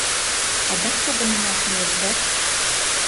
Адак погынымаш лиеш дыр?